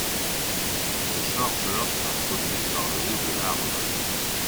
Son chargeur s'introduit par le haut de l'arme.